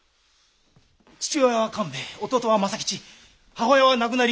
父親は勘兵衛弟は政吉母親は亡くなり